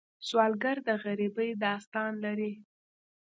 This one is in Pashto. سوالګر د غریبۍ داستان لري